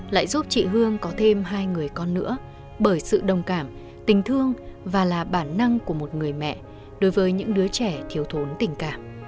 lại giúp chị hương có thêm hai người con nữa bởi sự đồng cảm tình thương và là bản năng của một người mẹ đối với những đứa trẻ thiếu thốn tình cảm